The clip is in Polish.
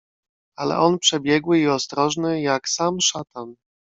"Ale on przebiegły i ostrożny, jak sam szatan."